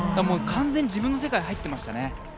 完全に自分の世界に入っていましたね。